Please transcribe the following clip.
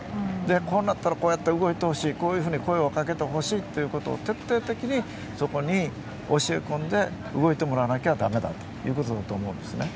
こうなったらこうやって動いてほしいこう声を掛けてほしいということを徹底的にそこに教え込んで動いてもらわなければ駄目だということだと思うんです。